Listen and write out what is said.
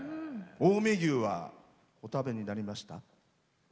近江牛はお食べになりました？